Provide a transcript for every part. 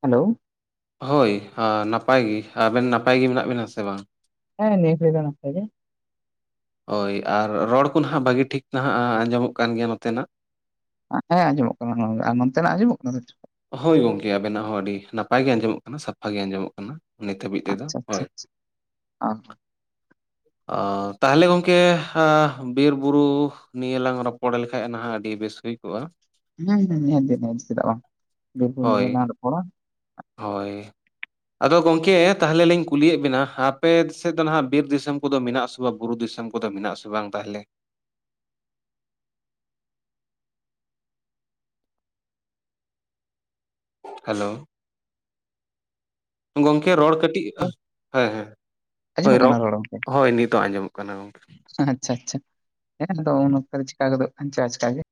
hello ᱦᱳᱭ ᱱᱟᱯᱟᱭ ᱜᱮ ᱟᱵᱮᱱ ᱱᱟᱯᱟᱭ ᱜᱮ ᱢᱮᱱᱟᱜ ᱵᱮᱱᱟ ᱥᱮ ᱵᱟᱝ ᱦᱮᱸ ᱱᱤᱭᱟᱹ ᱜᱟᱲᱤᱡ ᱫᱚ ᱱᱟᱯᱟᱭ ᱜᱮ ᱦᱳᱭ ᱟᱨ ᱨᱚᱲ ᱠᱚ ᱱᱟᱦᱟᱜ ᱵᱷᱟᱹᱜᱤ ᱴᱷᱤᱠ ᱱᱟᱦᱟᱜ ᱟᱸᱡᱚᱢᱚᱜ ᱠᱟᱱ ᱜᱮᱭᱟ ᱱᱚᱛᱮᱱᱟᱜ ᱦᱮ ᱟᱹᱡᱚᱢᱚᱜ ᱠᱟᱱᱟ ᱜᱚᱢᱠᱮ ᱟᱨ ᱱᱚᱛᱮᱱᱟᱜ ᱟᱸᱡᱚᱢᱚᱜ ᱠᱟᱱᱟ ᱦᱳᱭ ᱜᱚᱝᱠᱮ ᱟᱵᱮᱱᱟᱜ ᱦᱚᱸ ᱟᱹᱰᱤ ᱱᱟᱯᱟᱭ ᱜᱮ ᱟᱸᱡᱚᱢᱚᱜ ᱠᱟᱱᱟ ᱥᱟᱯᱷᱟ ᱜᱮ ᱟᱸᱡᱚᱢᱚᱜ ᱠᱟᱱᱟ ᱱᱤᱛ ᱦᱟᱹᱵᱤᱡ ᱛᱮᱫᱚ ᱟᱪᱪᱷᱟ ᱟᱪᱪᱷᱟ ᱦᱳᱭ ᱛᱟᱦᱚᱞᱮ ᱜᱚᱢᱠᱮ ᱵᱤᱨ ᱵᱩᱨᱩ ᱱᱤᱭᱟᱹ ᱞᱟᱝ ᱨᱚᱯᱚᱲ ᱞᱮᱠᱷᱟᱡ ᱱᱟᱦᱟᱜ ᱟᱹᱰᱤ ᱵᱮᱥ ᱦᱩᱭ ᱠᱚᱜ-ᱟ [unintelligible] ᱦᱳᱭ, ᱨᱚᱯᱚᱲᱟ ᱦᱳᱭ ᱟᱫᱚ ᱜᱚᱝᱠᱮ ᱛᱟᱦᱚᱞᱮ ᱞᱤᱧ ᱠᱩᱞᱤᱭᱮᱫ ᱵᱤᱱᱟ ᱟᱯᱮ ᱥᱮᱫ ᱫᱚ ᱱᱟᱦᱟᱜ ᱵᱤᱨ ᱫᱤᱥᱚᱢ ᱠᱚᱫᱚ ᱢᱮᱱᱟᱜ ᱟᱥᱮ ᱵᱟᱝ ᱵᱩᱨᱩ ᱫᱤᱥᱚᱢ ᱠᱚᱫᱚ ᱢᱮᱱᱟᱜ ᱟᱥᱮ ᱵᱟᱝ ᱛᱟᱦᱚᱞᱮ ᱦᱮᱞᱳ ᱜᱚᱝᱠᱮ ᱨᱚᱲ ᱠᱟᱹᱴᱤᱡ ᱦᱮᱸ ᱦᱮᱸ ᱦᱳᱭ ᱟᱸᱡᱚᱢᱚᱜ ᱨᱚᱜ ᱠᱟᱱᱟ ᱦᱳᱭ ᱱᱤᱛᱚᱜ ᱟᱸᱡᱚᱢᱚᱜ ᱠᱟᱱᱟ ᱜᱚᱝᱠᱮ ᱦᱮ ᱟᱪᱪᱷᱟ ᱟᱪᱪᱷᱟ ᱦᱮ ᱫᱚ ᱱᱚᱛᱮ ᱨᱮ ᱪᱤᱠᱟᱹ ᱜᱚᱫᱚᱜ ᱠᱟᱱ ᱪᱚ ᱟᱪᱠᱟᱜᱮ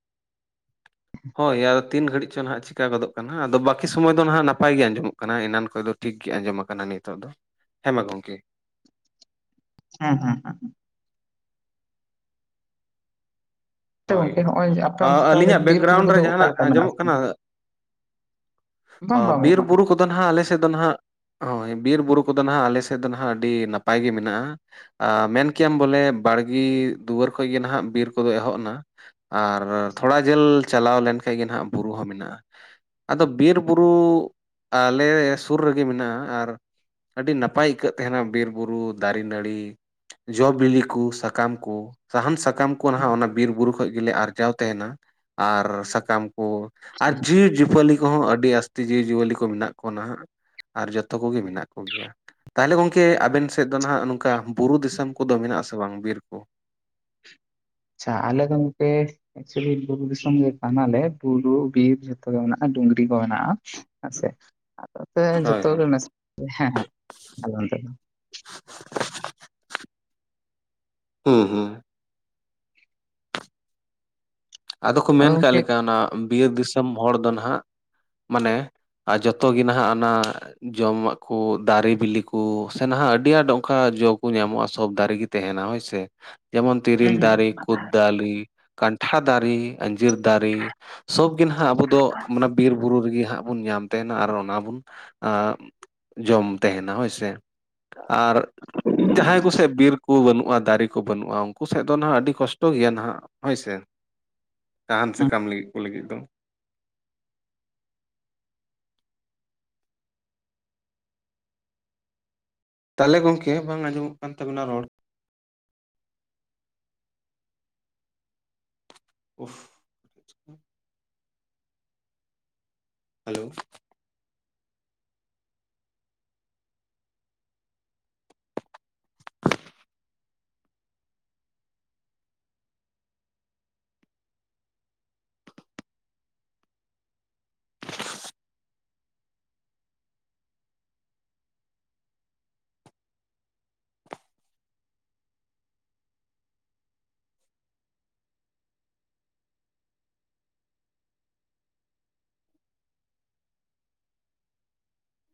ᱦᱳᱭ ᱟᱫᱚ ᱛᱤᱱ ᱜᱷᱟᱹᱲᱤᱡ ᱪᱚ ᱱᱟᱦᱟᱜ ᱪᱤᱠᱟᱹ ᱜᱚᱫᱚᱜ ᱠᱟᱱᱟ ᱟᱫ ᱵᱟᱹᱠᱤ ᱥᱚᱢᱚᱭ ᱫᱚ ᱱᱟᱦᱟᱜ ᱱᱟᱯᱟᱭ ᱜᱮ ᱟᱸᱡᱚᱢᱚᱜ ᱠᱟᱱᱟ ᱮᱱᱟᱱ ᱠᱷᱚᱡ ᱫᱚ ᱴᱷᱤᱠ ᱜᱮ ᱟᱸᱡᱚᱢ ᱟᱠᱟᱱᱟ ᱱᱤᱛᱚᱜ ᱫᱚ ᱦᱮᱸ ᱢᱟ ᱜᱚᱝᱠᱮ [unintelligible] ᱛᱚ ᱦᱳᱭ ᱜᱚᱝᱠᱮ ᱦᱚᱸᱜᱼᱚᱭ ᱟᱯᱮ ᱚᱱᱛᱮ ᱛᱟᱦᱚᱞᱮ ᱟᱹᱞᱤᱧᱟᱜ ᱵᱤᱨ ᱵᱩᱨᱩ ᱵᱮᱠᱜᱨᱟᱭᱩᱱ ᱨᱮ ᱠᱚᱫᱚ ᱚᱠᱟ ᱡᱟᱦᱟᱱᱟᱜ ᱞᱮᱠᱟ ᱢᱮᱱᱟᱜ ᱟᱸᱡᱚᱢᱚᱜ ᱟᱥᱮ ᱠᱟᱱᱟ ᱵᱟᱝ ᱦᱚᱸ ᱵᱟᱝ ᱵᱟᱝ ᱵᱤᱨ ᱵᱟᱝ ᱵᱩᱨᱩ ᱠᱚᱫ ᱟᱫᱚ ᱱᱟᱦᱟᱜ ᱟᱞᱮ ᱥᱮᱫ ᱫᱚ ᱱᱟᱦᱟᱜ ᱦᱳᱭ ᱵᱤᱨ ᱵᱩᱨᱩ ᱠᱚᱫᱚ ᱱᱟᱦᱟᱜ ᱟᱞᱮ ᱥᱮᱫ ᱫᱚ ᱱᱟᱦᱟᱜ ᱟᱹᱰᱤ ᱱᱟᱯᱟᱭ ᱜᱮ ᱢᱮᱱᱟᱜ-ᱟ ᱟ ᱢᱮᱱ ᱠᱮᱭᱟᱢ ᱵᱚᱞᱮ ᱵᱟᱲᱜᱤ ᱫᱩᱣᱟᱹᱨ ᱠᱷᱚᱱ ᱜᱮ ᱱᱟᱦᱟᱜ ᱵᱤᱨ ᱠᱚᱫᱚ ᱮᱦᱚᱵ ᱱᱟ ᱟᱨ ᱛᱷᱚᱲᱟ ᱡᱷᱟᱹᱞ ᱪᱟᱞᱟᱣ ᱞᱮᱱᱠᱷᱟᱡ ᱜᱮ ᱟᱸᱜ ᱵᱩᱨᱩ ᱦᱚᱸ ᱢᱮᱱᱟᱜ-ᱟ ᱟᱫᱚ ᱵᱤᱨ ᱵᱩᱨᱩ ᱟᱞᱮ ᱥᱩᱨ ᱨᱮᱜᱮ ᱢᱮᱱᱟᱜ-ᱟ ᱟᱨ ᱟᱹᱰᱤ ᱱᱟᱯᱟᱭ ᱟᱹᱭᱠᱟᱹᱜ ᱛᱟᱦᱮᱱᱟ ᱵᱤᱨ ᱵᱩᱨᱩ ᱫᱟᱨᱮ ᱱᱟᱹᱲᱤ ᱡᱚ ᱵᱤᱞᱤ ᱠᱩ ᱥᱟᱠᱟᱢ ᱠᱚ ᱥᱟᱦᱟᱱ ᱥᱟᱠᱟᱢ ᱠᱩ ᱠᱩ ᱱᱟᱦᱟᱜ ᱚᱱᱟ ᱵᱤᱨ ᱵᱩᱨᱩ ᱠᱷᱚᱡ ᱜᱮᱞᱮ ᱟᱨᱡᱟᱣ ᱛᱟᱦᱮᱱᱟ ᱟᱨ ᱥᱟᱠᱟᱢ ᱠᱩ ᱚ ᱟᱨ ᱡᱤᱣᱤ ᱡᱤᱯᱟᱹᱞᱤ ᱠᱚᱦᱚᱸ ᱟᱹᱰᱤ ᱟᱥᱛᱤ ᱡᱤᱣᱤ ᱡᱤᱭᱟᱹᱞᱤ ᱠᱚ ᱢᱮᱱᱟᱜ ᱠᱚᱣᱟ ᱱᱟᱦᱟᱜ ᱟᱨ ᱡᱚᱛᱚ ᱠᱚᱜᱮ ᱢᱮᱱᱟᱜ ᱠᱚᱜᱮᱭᱟ ᱛᱟᱦᱟᱞᱮ ᱜᱚᱝᱠᱮ ᱟᱵᱮᱱ ᱥᱮᱫ ᱫᱚ ᱱᱟᱦᱟᱜ ᱱᱚᱝᱠᱟ ᱵᱩᱨᱩ ᱫᱤᱥᱚᱢ ᱠᱚᱫᱚ ᱢᱮᱱᱟᱜ ᱟᱥᱮ ᱵᱟᱝ ᱵᱤᱨ ᱠᱚ ᱪᱷᱟ ᱟᱞᱮ ᱫᱚ ᱜᱚᱝᱠᱮ ᱮᱠᱪᱩᱭᱮᱞᱤ ᱵᱩᱨᱩ ᱫᱤᱥᱚᱢ ᱜᱮ ᱠᱟᱱᱟᱞᱮ ᱵᱩᱨᱩ ᱵᱤᱨ ᱡᱷᱚᱛᱚ ᱜᱮ ᱢᱮᱱᱟᱜ ᱟ ᱰᱩᱝᱨᱤ ᱠᱚ ᱢᱮᱱᱟᱜ-ᱟ ᱟᱥᱮ ᱟᱫᱚ ᱛᱮ ᱦᱳᱭ ᱡᱚᱛᱚ ᱦᱳᱭ ᱜᱮ ᱢᱮᱥᱟ ᱦᱮᱸ ᱦᱮᱸ ᱟᱞᱮ ᱚᱱᱛᱮ ᱫᱚ ᱦᱩᱸ ᱦᱩᱸ ᱟᱫᱚ ᱠᱚ ᱢᱮᱱ ᱠᱟᱜ ᱞᱮᱠᱟ ᱚᱱᱟ ᱵᱤᱨ ᱫᱤᱥᱚᱢ ᱦᱚᱲ ᱫᱚ ᱱᱟᱦᱟᱜ ᱢᱟᱱᱮ ᱟᱨ ᱡᱚᱛᱚ ᱜᱮ ᱱᱟᱦᱟᱜ ᱟᱱᱟ ᱡᱚᱢᱟᱜ ᱠᱩ ᱫᱟᱨᱮ ᱵᱤᱞᱤ ᱠᱩ ᱥᱮ ᱱᱟᱦᱟᱜ ᱟᱹᱰᱤ ᱟᱸᱴ ᱚᱱᱠᱟ ᱡᱚ ᱠᱩ ᱧᱟᱢᱚᱜ-ᱟ ᱥᱚᱵ ᱫᱟᱨᱮ ᱜᱮ ᱛᱮᱦᱮᱱᱟ ᱦᱳᱭᱥᱮ ᱡᱮᱢᱚᱱ ᱛᱮᱨᱮᱞ ᱫᱟᱨᱮ ᱠᱩᱫ ᱫᱟᱞᱤ ᱠᱟᱱᱴᱷᱟᱲ ᱫᱟᱨᱮ ᱟᱸᱡᱤᱨ ᱫᱟᱨᱮ ᱥᱚᱵ ᱜᱮ ᱱᱟᱦᱟᱜ ᱟᱵᱚ ᱫᱚ ᱟᱱᱟ ᱵᱤᱨ ᱵᱩᱨᱩ ᱨᱮᱜᱮ ᱦᱟᱜ ᱵᱚᱱ ᱧᱟᱢᱟ ᱛᱟᱦᱮᱱᱟ ᱟᱨ ᱚᱱᱟ ᱵᱩᱱ ᱟᱻ ᱡᱚᱢ ᱛᱟᱦᱮᱱᱟ ᱦᱳᱭ ᱥᱮ ᱟᱨ ᱡᱟᱦᱟᱸᱭ ᱠᱚᱥᱮ ᱵᱤᱨ ᱠᱚ ᱵᱟᱹᱱᱩᱜ-ᱟ ᱫᱟᱨᱮ ᱠᱚ ᱵᱟᱹᱱᱩᱜ-ᱟ ᱩᱱᱠᱩ ᱥᱮᱫ ᱫᱚ ᱱᱟᱦᱟᱜ ᱟᱹᱰᱤ ᱠᱚᱥᱴᱚ ᱜᱮᱭᱟ ᱱᱟᱦᱟᱜ ᱦᱳᱭ ᱥᱮ ᱥᱟᱦᱟᱱ ᱥᱟᱠᱟᱢ ᱞᱟᱹᱜᱤᱫ ᱠᱚ ᱞᱟᱹᱜᱤᱫ ᱫᱚ ᱛᱟᱦᱟᱞᱮ ᱜᱚᱝᱠᱮ ᱵᱟᱝ ᱟᱸᱡᱚᱢᱚᱜ ᱠᱟᱱ ᱛᱟᱵᱤᱱᱟ ᱨᱚᱲ ᱩᱯᱷᱥ ᱦᱮᱞᱳ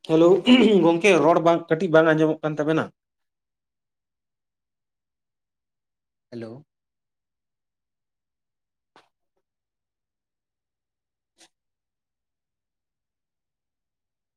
ᱦᱮᱞᱳ ᱜᱚᱝᱠᱮ ᱨᱚᱲ ᱵᱟᱝ ᱠᱟᱹᱴᱤᱡ ᱵᱟᱝ ᱟᱸᱡᱚᱢᱚᱜ ᱠᱟᱱ ᱛᱟᱵᱮᱱᱟ ᱦᱮᱞᱳ [inaudible]